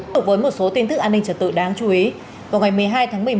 tục với một số tin tức an ninh trật tự đáng chú ý vào ngày một mươi hai tháng một mươi một